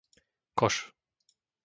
Koš